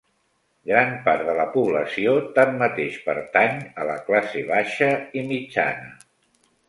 Gran part de la població tanmateix pertany a la classe baixa i mitjana.